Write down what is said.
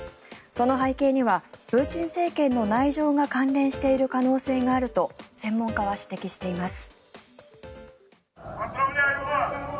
その背景にはプーチン政権の内情が関連している可能性があると専門家は指摘しています。